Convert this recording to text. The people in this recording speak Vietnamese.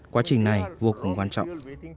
quá trình này vô cùng quan trọng